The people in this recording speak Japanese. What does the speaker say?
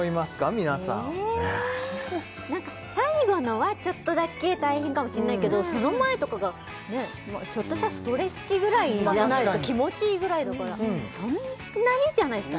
皆さん最後のはちょっとだけ大変かもしんないけどその前とかがねぇちょっとしたストレッチぐらいじゃないと気持ちいいぐらいだからそんなにじゃないすか？